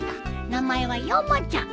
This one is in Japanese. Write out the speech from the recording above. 名前はヨモちゃん。